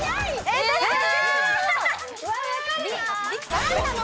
何なの？